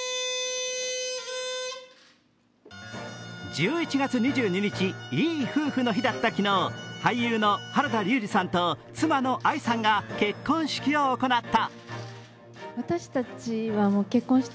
１１月２２日、いい夫婦の日だった昨日俳優の原田龍二さんと妻の愛さんが結婚式を行った。